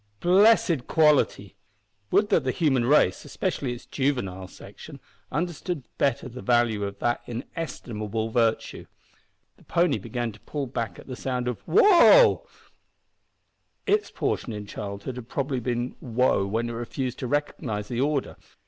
Blessed quality! Would that the human race especially its juvenile section understood better the value of that inestimable virtue! The pony began to pull back at the sound of "wo!" Its portion in childhood had probably been woe when it refused to recognise the order.